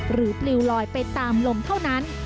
ปลิวลอยไปตามลมเท่านั้น